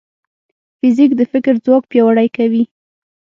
فزیک د فکر ځواک پیاوړی کوي.